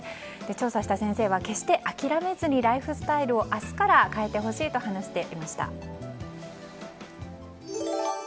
調査した先生は、決して諦めずにライフスタイルを明日から変えてほしいと話していました。